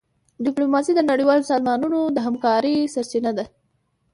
ډيپلوماسي د نړیوالو سازمانونو د همکارۍ سرچینه ده.